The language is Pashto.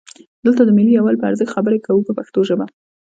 دلته د ملي یووالي په ارزښت خبرې کوو په پښتو ژبه.